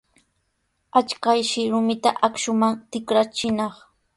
Achkayshi rumita akshuman tikrachinaq.